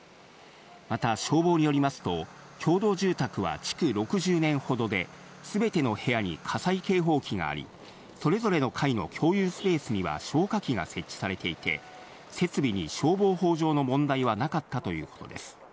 また消防によりますと共同住宅は築６０年ほどで、すべての部屋に火災警報器があり、それぞれの階の共有スペースには、消化器が設置されていて、設備に消防法上の問題はなかったということです。